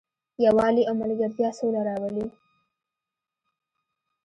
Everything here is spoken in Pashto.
یووالی او ملګرتیا سوله راولي.